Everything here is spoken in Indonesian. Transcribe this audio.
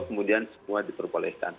kemudian semua diperbolehkan